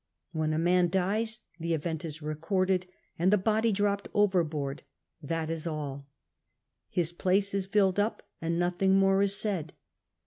When a man dies, the event is recorded, aixl the body droppetl overboai'd — that is all ; his place is filled up and nothing more is said.